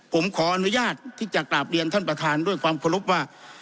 ผมขออนุญาตที่จะกราบเรียนท่านประธานด้วยความเคารพว่า